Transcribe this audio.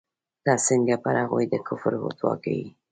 ته څنگه پر هغوى د کفر فتوا کوې.